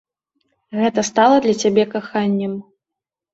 Гэта стала для цябе каханнем.